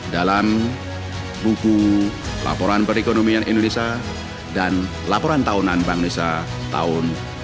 dalam buku laporan perekonomian indonesia dan laporan tahunan bangsa tahun dua ribu dua puluh